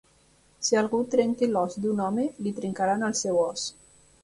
Si algú trenca l'os d'un home, li trencaran el seu os.